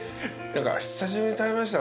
久しぶりに食べました。